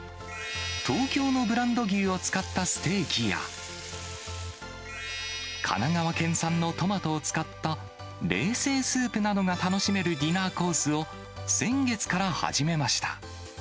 東京のブランド牛を使ったステーキや、神奈川県産のトマトを使った冷製スープなどが楽しめるディナーコースを、先月から始めました。